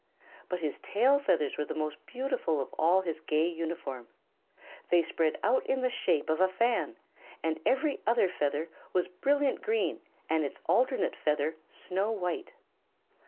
But his tail feathers were the most beautiful of all his gay uniform. They spread out in the shape of a fan, and every other feather was brilliant green and its alternate feather snow white.